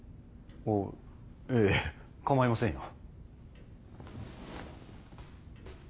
あぁええ構いませんよ。